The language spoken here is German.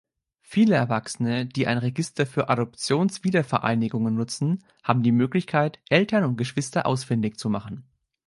Viele Erwachsene, die ein Register für Adoptionswiedervereinigungen nutzen, haben die Möglichkeit, Eltern und Geschwister ausfindig zu machen.